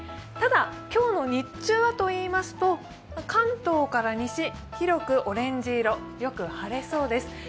ただ、今日の日中はといいますと関東から西、広くオレンジ色、よく晴れそうです。